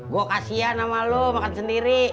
gua kasian sama lu makan sendiri